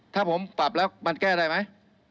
ถ้าผมปรับแล้วมันแก้ได้ไหม